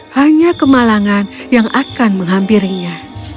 hanya kemalangan yang akan menghampirinya